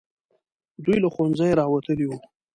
دوی له ښوونځیو راوتلي وو.